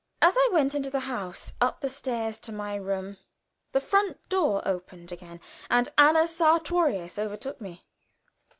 As I went into the house, up the stairs to my room, the front door opened again and Anna Sartorius overtook me.